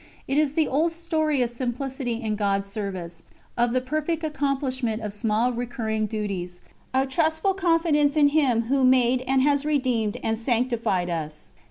It is the old story of simplicity in God's service, of the perfect accomplishment of small recurring duties, of trustful confidence in Him who made and has redeemed and sanctified us.